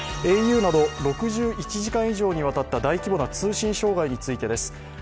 ａｕなど６１時間以上にわたった大規模な通信障害についてです。